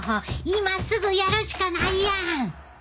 今すぐやるしかないやん。